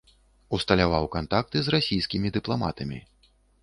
Усталяваў кантакты з расійскімі дыпламатамі.